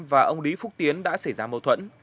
và ông lý phúc tiến đã xảy ra mâu thuẫn